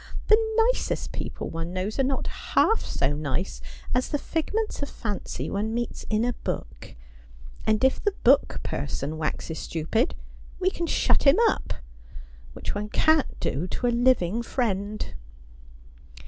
' The nicest people one knows are not half so nice as the figments of fancy one meets in a book ; and if the book person waxes stupid, we can shut him up — which one cant do to a living friend.'